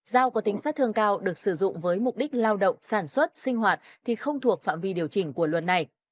dao có tính sát thương cao được sử dụng với mục đích lao động sản xuất sinh hoạt thì không thuộc phạm vi điều chỉnh của luật này